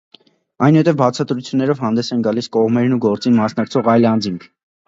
Այնուհետև բացատրություններով հանդես են գալիս կողմերն ու գործին մասնակցող այլ անձինք։